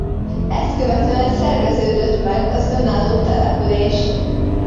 Ezt követően szerveződött meg az önálló település.